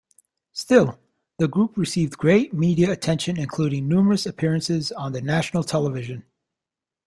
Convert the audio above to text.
Still, the group received great media attention including numerous appearances on the national television.